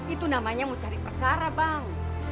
itu namanya mau cari perkara bang